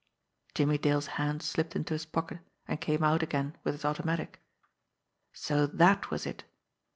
Jimmie Dale's hand slipped into his pocket and came out again with his automatic. So that was it!